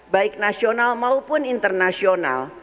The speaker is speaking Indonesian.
baik nasional maupun internasional